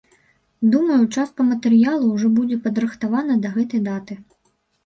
Думаю, частка матэрыялу ўжо будзе падрыхтаваная да гэтай даты.